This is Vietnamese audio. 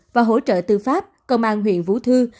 và hỗ trợ tư pháp công an huyện vũ thư